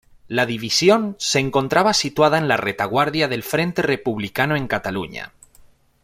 La división se encontraba situada en la retaguardia del frente republicano en Cataluña.